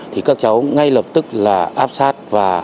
thì các cháu ngay lập tức áp sát